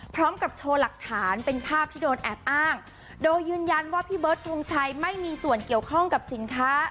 พร้อมกับโชว์หลักฐานเป็นภาพที่โดนแอบอ้างโดยยืนยันว่าพี่เบิร์ดทงชัยไม่มีส่วนเกี่ยวข้องกับสินค้า